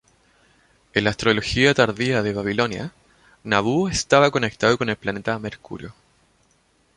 En la astrología tardía de Babilonia, Nabu estaba conectado con el planeta Mercurio.